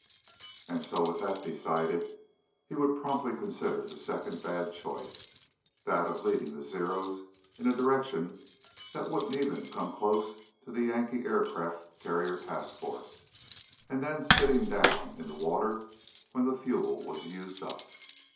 And so, with that decided, he would promptly consider the second bad choice. That of leading the Zeros in a direction that wouldn't even come close to the Yank aircraft carrier task force, and then sitting down in the water when the fuel was used up.